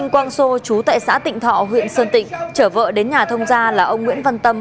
quang sô chú tại xã tịnh thọ huyện sơn tịnh chở vợ đến nhà thông gia là ông nguyễn văn tâm